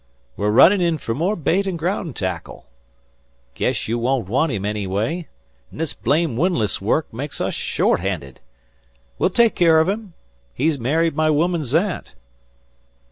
We're runnin' in fer more bait an' graound tackle. Guess you won't want him, anyway, an' this blame windlass work makes us short handed. We'll take care of him. He married my woman's aunt."